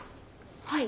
はい。